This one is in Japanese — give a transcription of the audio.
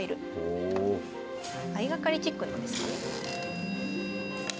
相掛かりチックなんですかね。